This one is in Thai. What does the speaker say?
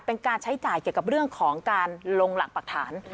เป็นการใช้จ่ายเกี่ยวกับเรื่องของการลงหลักปรักฐาน